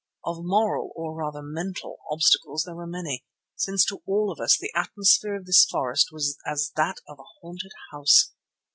Of moral, or rather mental, obstacles there were many, since to all of us the atmosphere of this forest was as that of a haunted house.